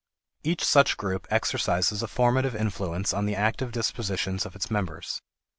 Each such group exercises a formative influence on the active dispositions of its members.